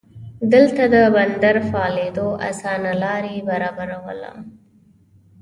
دلته د بندر فعالېدو اسانه لار برابرواله.